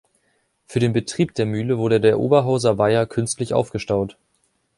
Für den Betrieb der Mühle wurde der Oberhauser Weiher künstlich aufgestaut.